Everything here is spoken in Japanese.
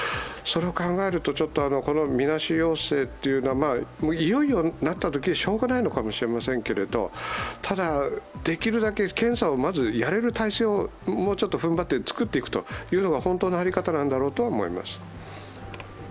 それを考えると、このみなし陽性というのは、いよいよなったときはしようがないのかもしれませんけれども、ただ、できるだけ検査をまずやれる体制をもうちょっと踏ん張って作っていくというのが本当の在り方なんだろうと思います。